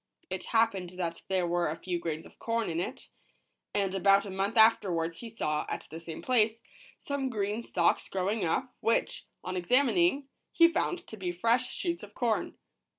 It happened that there were a few grains of corn in it, and about a month afterwards he saw, at the same place, some green stalks growing up, which, on examining, he found to be fresh shoots of corn.